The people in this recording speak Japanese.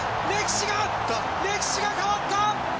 歴史が変わった！